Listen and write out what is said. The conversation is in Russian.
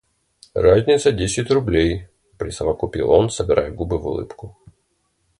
Разница десять рублей, — присовокупил он, собирая губы в улыбку.